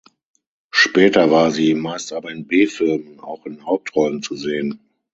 Später war sie, meist aber in B-Filmen, auch in Hauptrollen zu sehen.